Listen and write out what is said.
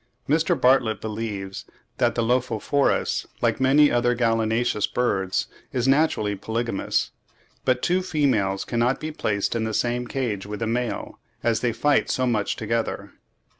Mr. Bartlett believes that the Lophophorus, like many other gallinaceous birds, is naturally polygamous, but two females cannot be placed in the same cage with a male, as they fight so much together.